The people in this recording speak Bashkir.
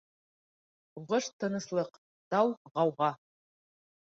Һуғыш-тыныслыҡ, дау-ғауға